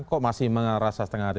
kok masih mengarah setengah hati